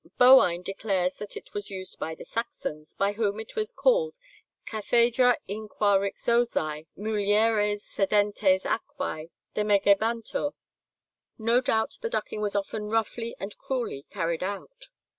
Bowine declares that it was used by the Saxons, by whom it was called "Cathedra in qua rixosæ mulieres sedentes aquæ demergebantur." No doubt the ducking was often roughly and cruelly carried out.